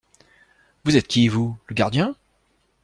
Vous êtes qui, vous? Le gardien ?